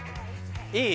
いい？